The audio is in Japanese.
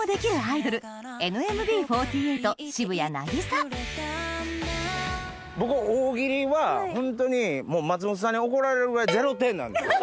迎えたのは僕「大喜利」はホントに松本さんに怒られるぐらい０点なんですよ。